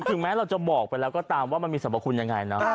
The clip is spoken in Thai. ถึงแม้เราจะบอกไปแล้วก็ตามว่ามันมีสรรพคุณยังไงนะ